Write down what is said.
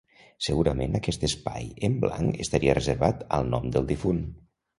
Segurament aquest espai en blanc estaria reservat al nom del difunt.